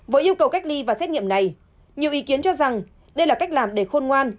với yêu cầu cách ly và xét nghiệm này nhiều ý kiến cho rằng đây là cách làm để khôn ngoan